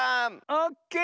オッケー。